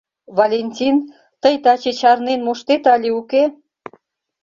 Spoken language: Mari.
Валентин, тый таче чарнен моштет але уке?